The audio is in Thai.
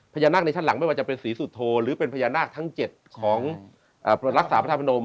พญานาคในชั้นหลังไม่ว่าจะเป็นศรีสุโธหรือเป็นพญานาคทั้ง๗ของรักษาพระธาพนม